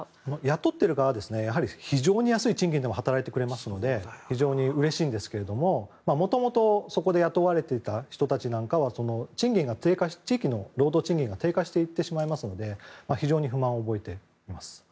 雇っている側は非常に安い賃金でも働いてくれますので非常にうれしいんですけどももともとそこで雇われていた人たちは地域の労働賃金が低下していってしまいますので非常に不満を覚えています。